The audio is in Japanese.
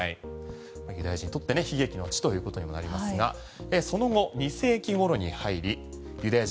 ユダヤ人とって悲劇の地ということになりますがその後２世紀頃に入りユダヤ人